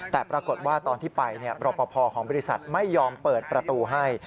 แต่ปรากฏว่าตอนที่ไปรอปภของบริษัทไม่ยอมเปิดประตูให้